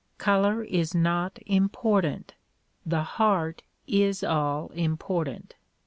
Color is not important ; the heart is all important.